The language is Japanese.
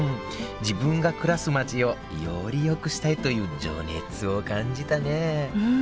自分が暮らす街をより良くしたいという情熱を感じたねうん。